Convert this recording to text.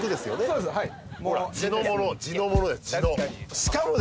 そうですはい